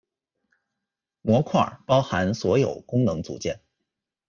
模块包含所有功能组件。